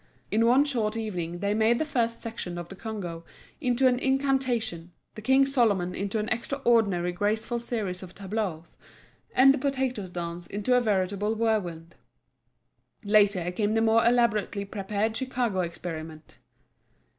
In one short evening they made the first section of the Congo into an incantation, the King Solomon into an extraordinarily graceful series of tableaus, and the Potatoes' Dance into a veritable whirlwind. Later came the more elaborately prepared Chicago experiment.